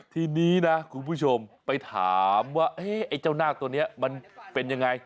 ทีนี้นะคุณผู้ชมไปถามว่าไอ้เจ้านาคตัวนี้มันเป็นยังไง